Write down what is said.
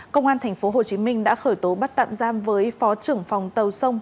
công an tp hcm đã khởi tố bắt tạm giam với phó trưởng phòng tàu sông